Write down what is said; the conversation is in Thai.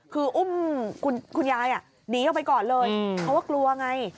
คืออุ้มคุณยายหนีออกไปก่อนเลยเพราะว่ากลัวไง